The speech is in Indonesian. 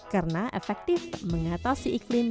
karena efektif mengatasi iklim